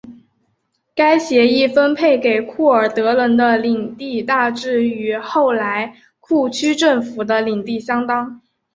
该协议分配给库尔德人的领地大致与后来库区政府的领地相当。